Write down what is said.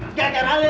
gak ada alih